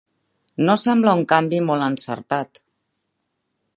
No sembla un canvi molt encertat!